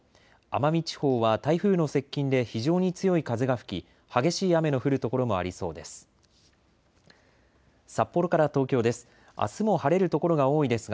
奄美地方は台風の接近で非常に強い風が吹き、激しい雨の降る所もありそうです。